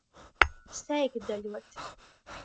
Seikdaļuot.